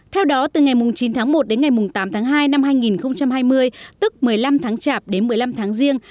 theo đó từ ngày chín tháng một đến ngày tám tháng hai năm hai nghìn hai mươi tức một mươi năm tháng chạp đến một mươi năm tháng riêng